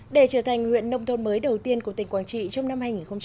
để trở thành huyện nông thôn mới đầu tiên của tỉnh quảng trị trong năm hai nghìn hai mươi